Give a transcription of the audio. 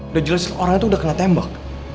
udah jelas orang itu udah kena tembak